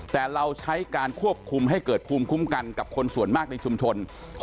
แต่เราใช้การควบคุมให้เกิดภูมิคุ้มกันกับคนส่วนมากในชุมชน